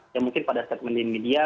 yang mungkin pada segmen di media